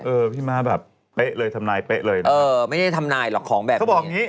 เออพี่ม่าแบบเป๊ะเลยทำนายเป๊ะเลยไม่ได้ทำนายหรอกของแบบนี้